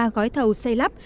một mươi ba gói thầu xây lắp